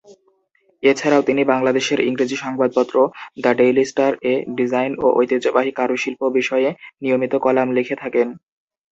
এছাড়াও, তিনি বাংলাদেশের ইংরেজি সংবাদপত্র "দ্য ডেইলি স্টার" এ ডিজাইন ও ঐতিহ্যবাহী কারুশিল্প বিষয়ে নিয়মিত কলাম লিখে থাকেন।